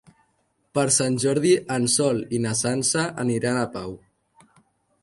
Per Sant Jordi en Sol i na Sança aniran a Pau.